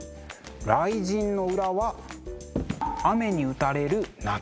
雷神の裏は雨に打たれる夏草。